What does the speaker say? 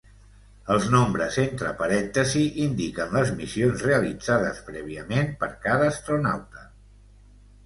Els nombres entre parèntesis indiquen les missions realitzades prèviament per cada astronauta.